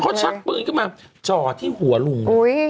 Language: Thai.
เขาชักปืนขึ้นมาจ่อที่หัวลุง